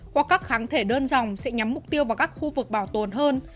hoặc các kháng thể đơn dòng sẽ nhắm mục tiêu vào các khu vực bảo tồn hơn